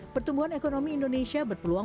pertumbuhan ekonomi indonesia berpeluang